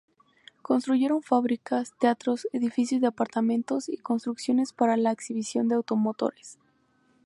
Construyeron fábricas, teatros, edificios de apartamentos y construcciones para la exhibición de automotores.